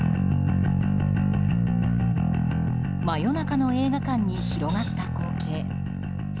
真夜中の映画館に広がった光景。